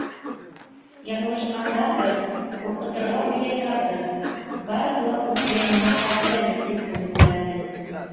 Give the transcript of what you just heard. Яңылышҡандарҙыр, ҡурҡытырға уйлайҙарҙыр, барыһы ла үҙ яйына ҡайтыр әле, тип өмөтләнде.